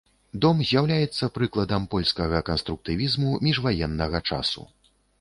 Дом з'яўляецца прыкладам польскага канструктывізму міжваеннага часу.